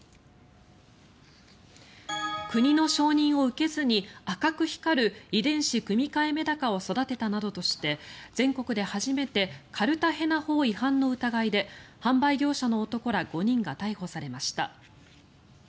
国の承認を受けずに赤く光る遺伝子組み換えメダカを育てたなどとして、全国で初めてカルタヘナ法違反の疑いで販売業者の男ら５人が逮捕されました。